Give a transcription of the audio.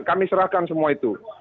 kami serahkan semua itu